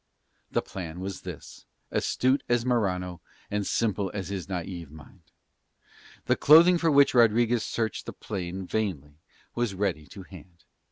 The plan was this, astute as Morano, and simple as his naive mind. The clothing for which Rodriguez searched the plain vainly was ready to hand.